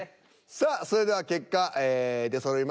さあそれでは結果出そろいました。